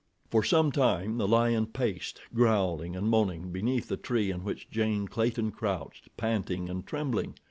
For some time the lion paced, growling and moaning, beneath the tree in which Jane Clayton crouched, panting and trembling.